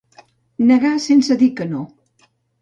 Negar sense dir que no.